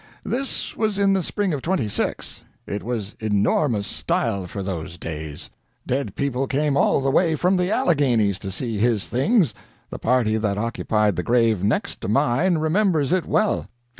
This was in the spring of '26. It was enormous style for those days. Dead people came all the way from the Alleghanies to see his things the party that occupied the grave next to mine remembers it well.